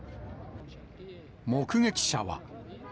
目撃者は。